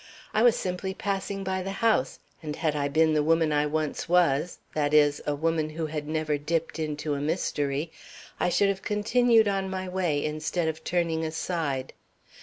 I was simply passing by the house; and had I been the woman I once was, that is, a woman who had never dipped into a mystery, I should have continued on my way, instead of turning aside.